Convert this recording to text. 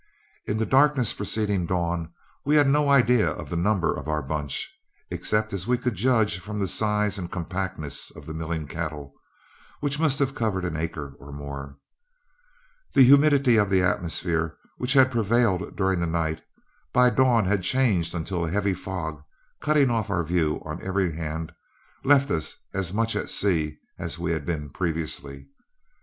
In the darkness preceding dawn, we had no idea of the number of our bunch, except as we could judge from the size and compactness of the milling cattle, which must have covered an acre or more. The humidity of the atmosphere, which had prevailed during the night, by dawn had changed until a heavy fog, cutting off our view on every hand, left us as much at sea as we had been previously.